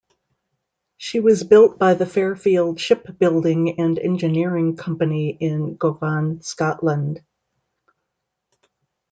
She was built by the Fairfield Shipbuilding and Engineering Company in Govan, Scotland.